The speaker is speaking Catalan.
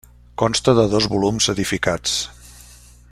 Consta de dos volums edificats.